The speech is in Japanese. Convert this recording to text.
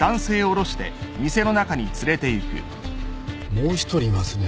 もう一人いますね